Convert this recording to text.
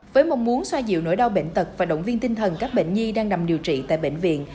với mong muốn xoa dịu nỗi đau bệnh tật và động viên tinh thần các bệnh nhi đang nằm điều trị tại bệnh viện